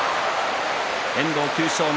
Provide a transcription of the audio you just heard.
遠藤９勝目。